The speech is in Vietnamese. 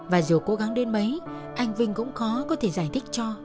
và dù cố gắng đến mấy anh vinh cũng khó có thể giải thích cho